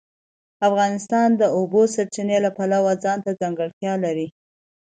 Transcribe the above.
افغانستان د د اوبو سرچینې د پلوه ځانته ځانګړتیا لري.